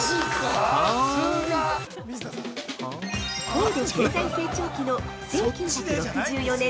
◆高度経済成長期の１９６４年。